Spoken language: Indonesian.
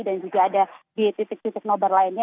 dan juga ada di titik titik nobar lainnya